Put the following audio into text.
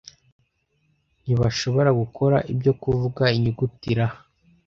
ntibashobora gukora ibyo kuvuga inyuguti R.